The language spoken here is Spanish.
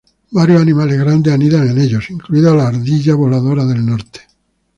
Varios animales grandes anidan en ellos, incluida la ardilla voladora del norte.